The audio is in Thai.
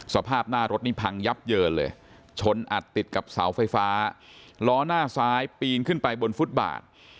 สภาพหน้ารถนี่พังยับเยินเลยชนอัดติดกับเสาไฟฟ้าล้อหน้าซ้ายปีนขึ้นไปบนฟุตบาท